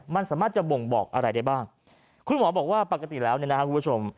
มันสามารถจะบ่งบอกอะไรได้บ้างคุณหมอบอกว่าปกติแล้วเนี่ยนะครับคุณผู้ชม